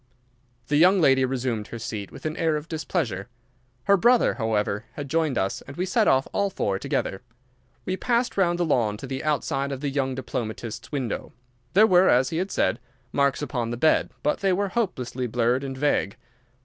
The young lady resumed her seat with an air of displeasure. Her brother, however, had joined us and we set off all four together. We passed round the lawn to the outside of the young diplomatist's window. There were, as he had said, marks upon the bed, but they were hopelessly blurred and vague.